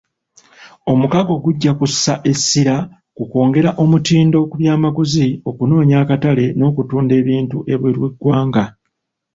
Omukago gujja kussa essira ku kwongera omutindo ku byamaguzi, okunoonya akatale n'okutunda ebintu ebweru w'eggwanga.